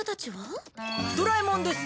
ドラえもんです。